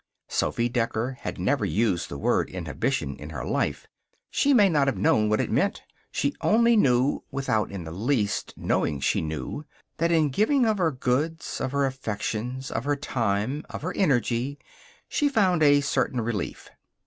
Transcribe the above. Sophy Decker had never used the word inhibition in her life. She may not have known what it meant. She only knew (without in the least knowing she knew) that in giving of her goods, of her affections, of her time, of her energy, she found a certain relief.